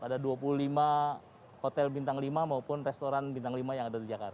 ada dua puluh lima hotel bintang lima maupun restoran bintang lima yang ada di jakarta